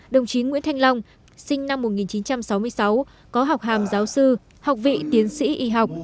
đồng chí nguyễn thanh long sinh năm một nghìn chín trăm sáu mươi sáu có học hàm giáo sư học vị tiến sĩ y học